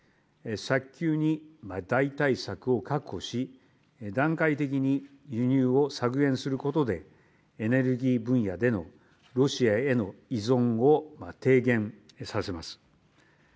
早急に代替策を確保し、段階的に輸入を削減することで、エネルギー分野でのロシアへの依存を低減させます。